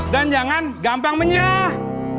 dan jangan gampang menyerah